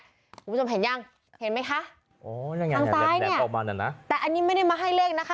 พี่ผู้ชมเห็นยังเห็นไหมคะอ่อทางซ้ายเนี่ยแต่อันนี้ไม่ได้มาให้เลขนะคะ